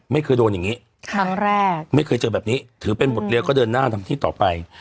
ไม่เคยโดนอย่างนี้ครั้งแรกไม่เคยเจอแบบนี้ถือเป็นบทเรียนก็เดินหน้าทำที่ต่อไป